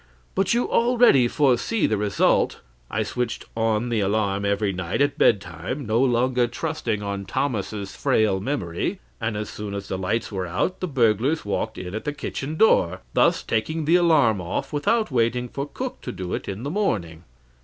But you already foresee the result. I switched on the alarm every night at bed time, no longer trusting on Thomas's frail memory; and as soon as the lights were out the burglars walked in at the kitchen door, thus taking the alarm off without waiting for the cook to do it in the morning.